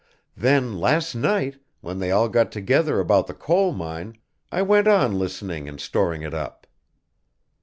Then, last night, when they all got together about the coal mine I went on listening and storing it up.